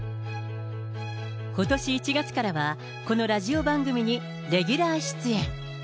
ことし１月からは、このラジオ番組にレギュラー出演。